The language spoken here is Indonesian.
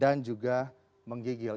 dan juga menggigil